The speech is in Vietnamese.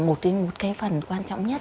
một cái phần quan trọng nhất